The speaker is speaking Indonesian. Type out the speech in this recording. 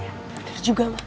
bener juga mbak